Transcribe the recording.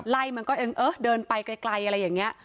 ไล่มันก็เอิงเอ๊ะเดินไปไกลอะไรอย่างเนี้ย